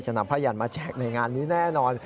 นำผ้ายันมาแจกในงานนี้แน่นอน